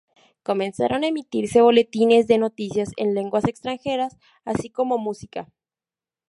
Comenzaron a emitirse boletines de noticias en lenguas extranjeras, así como música.